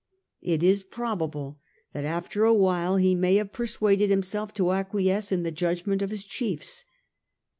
It is probable that after a while he may have persuaded himself to acquiesce in the judgment of his chiefs.